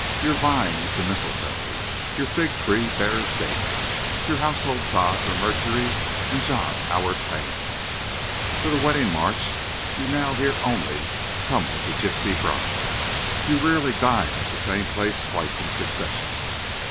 Your vine is the mistletoe; your fig tree bears dates. Your household gods are Mercury and John Howard Payne. For the wedding march you now hear only "Come with the Gypsy Bride." You rarely dine at the same place twice in succession.